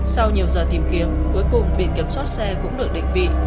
sau nhiều giờ tìm kiếm cuối cùng biển kiểm soát xe cũng được định vị